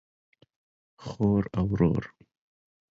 خور او ورور